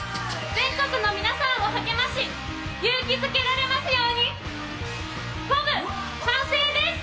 全国の皆さんを励まし、勇気づけられますように。